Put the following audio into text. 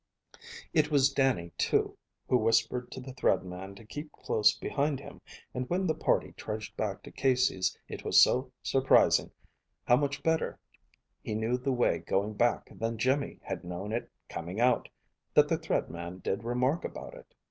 It was Dannie, too, who whispered to the Thread Man to keep close behind him; and when the party trudged back to Casey's it was so surprising how much better he knew the way going back than Jimmy had known it coming out, that the Thread Man did remark about it.